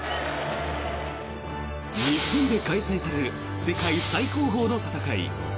日本で開催される世界最高峰の戦いＺＯＺＯ